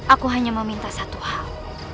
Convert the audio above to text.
aku hanya meminta satu hal